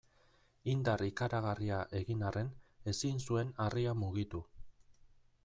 Indar ikaragarria egin arren ezin zuen harria mugitu.